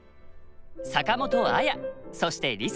坂本彩そしてリサ。